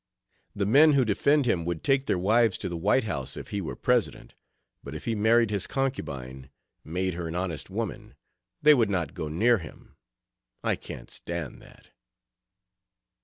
The men who defend him would take their wives to the White House if he were president, but if he married his concubine 'made her an honest woman' they would not go near him. I can't stand that."